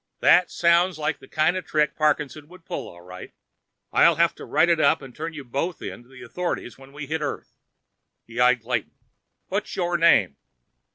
"That sounds like the kind of trick Parkinson would pull, all right. I'll have to write it up and turn you both in to the authorities when we hit Earth." He eyed Clayton. "What's your name?"